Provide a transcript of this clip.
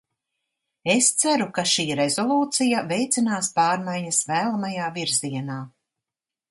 Es ceru, ka šī rezolūcija veicinās pārmaiņas vēlamajā virzienā.